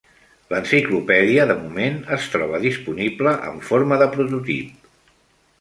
L'"Enciclopèdia" de moment es troba disponible en forma de prototip.